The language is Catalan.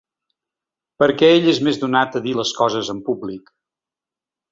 Perquè ell és més donat a dir les coses en públic.